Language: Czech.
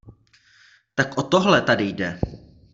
Tak o tohle tady jde!